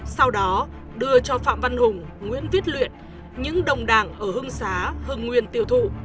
sau đó đưa cho phạm văn hùng nguyễn viết luyện những đồng đảng ở hưng xá hưng nguyên tiêu thụ